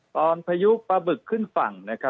ตอนพายุปลาบึกขึ้นฝั่งนะครับ